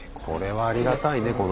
これはありがたいね